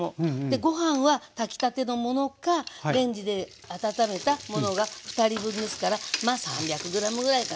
ご飯は炊きたてのものかレンジで温めたものが２人分ですからまあ３００ｇぐらいかな。